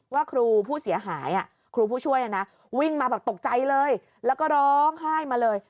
ว่าครูผู้เสียหายครูผู้ช่วยวิ่งมาแบบตกใจเลยแล้วก็ร้องไห้มาเลย